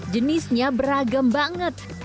jenisnya beragam banget